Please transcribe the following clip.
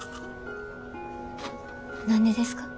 何でですか？